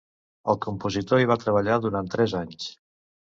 El compositor hi va treballar durant tres anys.